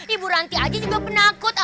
ibu ranti aja juga penakut